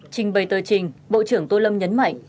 trình bày tờ trình bộ trưởng tô lâm nhấn mạnh